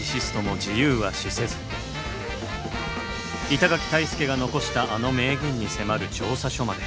板垣退助が残したあの名言に迫る調査書まで。